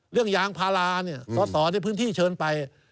เรื่องยางพาราเนี่ยสอดในพื้นที่เชิญไป